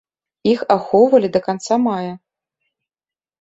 Іх ахоўвалі да канца мая.